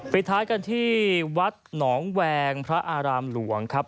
ปิดท้ายกันที่วัดหนองแวงพระอารามหลวงครับ